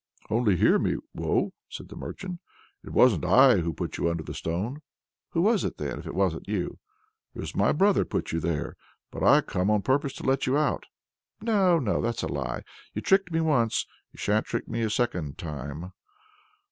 "Only hear me, Woe!" said the merchant: "it wasn't I at all who put you under the stone." "Who was it then, if it wasn't you?" "It was my brother put you there, but I came on purpose to let you out." "No, no! that's a lie. You tricked me once; you shan't trick me a second time!"